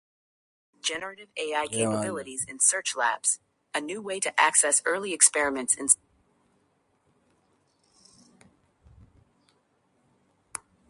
His lesson was love.